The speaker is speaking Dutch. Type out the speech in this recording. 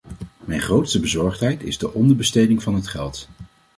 Mijn grootste bezorgdheid is de onderbesteding van het geld.